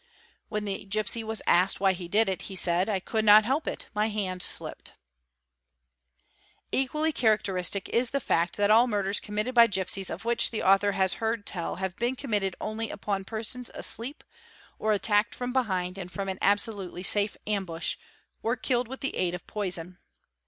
When the gipsy was asked why he did it, he said, 'I could not help it, my hand slipped'." | Equally characteristic is the fact that all murders committed by gipsies of which the author has heard tell have been committed only upon persons asleep, or attacked from behind and from an absolutely safe ambush, or killed with the aid of poison.